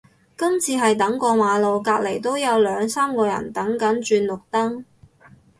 今次係等過馬路，隔離都有兩三個人等緊轉綠燈